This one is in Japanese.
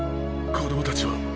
子供たちは？